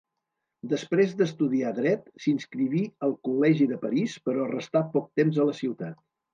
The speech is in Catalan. Després d'estudiar Dret, s'inscriví al col·legi de París, però restà poc temps a la ciutat.